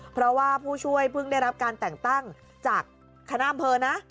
เพราะว่าผู้ช่วยเพิ่งได้รับการแต่งตั้งจากคณะอำเภอนะ